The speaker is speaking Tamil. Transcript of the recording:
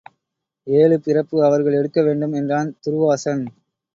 ஏழு பிறப்பு அவர்கள் எடுக்க வேண்டும் என்றான் துருவாசன்.